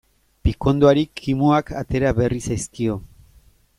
Pikondoari kimuak atera berri zaizkio.